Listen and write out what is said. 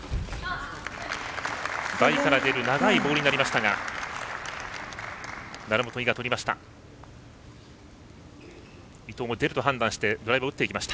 台から出る長いボールになりましたが成本、井がとりました。